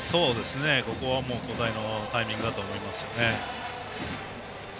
ここは交代のタイミングだと思いますね。